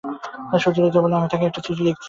সুচরিতা কহিল, আমি তাঁকে একটা চিঠি লিখছি।